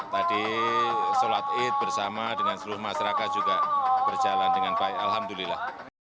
tadi sholat id bersama dengan seluruh masyarakat juga berjalan dengan baik alhamdulillah